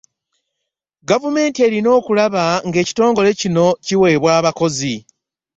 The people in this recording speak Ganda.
Gavumenti erina okulaba ng’ekitongole kino kiweebwa abakozi.